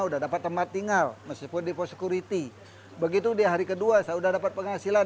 udah dapat tempat tinggal meskipun di pos security begitu di hari kedua saya udah dapat penghasilan